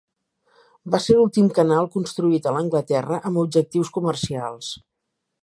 Va ser l'últim canal construït a Anglaterra amb objectius comercials.